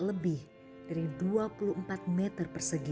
lebih dari dua puluh empat meter persegi